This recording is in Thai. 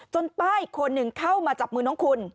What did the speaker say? ป้าอีกคนหนึ่งเข้ามาจับมือน้องคุณ